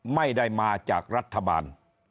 ไม่ได้มาจากรัฐบาล